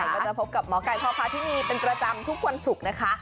ก็จะพบกับหมอไก่พ่อพาที่นี่เป็นประจำทุกวันศุกร์นะคะ